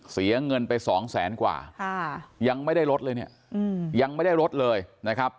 เสียเงินไปสองแสนกว่ายังไม่ได้ลดเลยเนี่ยยังไม่ได้ลดเลยนะครับ